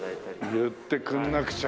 言ってくんなくちゃ。